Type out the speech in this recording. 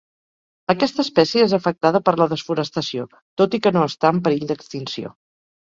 Aquesta espècie és afectada per la desforestació, tot i que no està en perill d'extinció.